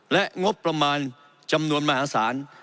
และงบประมาณจำนวนมหาศาล